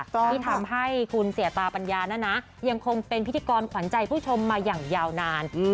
ที่ทำให้คุณเสียตาปัญญานะนะยังคงเป็นพิธีกรขวัญใจผู้ชมมาอย่างยาวนาน